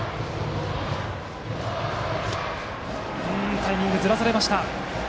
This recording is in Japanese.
タイミングをずらされた。